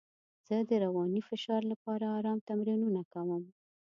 زه د رواني فشار لپاره ارام تمرینونه کوم.